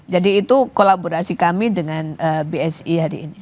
jadi itu kolaborasi kami dengan bsi hari ini